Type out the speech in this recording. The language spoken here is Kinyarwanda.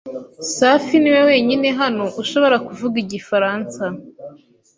Safi niwe wenyine hano ushobora kuvuga igifaransa.